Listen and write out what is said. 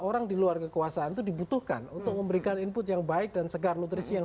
orang di luar kekuasaan itu dibutuhkan untuk memberikan input yang baik dan segar nutrisi yang